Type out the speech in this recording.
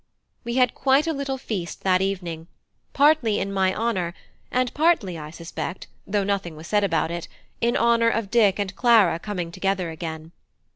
We had quite a little feast that evening, partly in my honour, and partly, I suspect, though nothing was said about it, in honour of Dick and Clara coming together again.